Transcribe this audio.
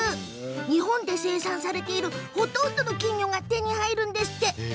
日本で生産されているほとんどの金魚が手に入るんですって。